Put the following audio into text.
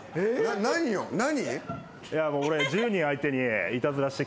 何よ何？